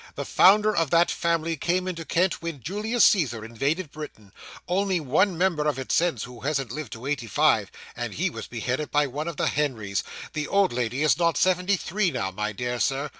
The founder of that family came into Kent when Julius Caesar invaded Britain; only one member of it, since, who hasn't lived to eighty five, and he was beheaded by one of the Henrys. The old lady is not seventy three now, my dear Sir.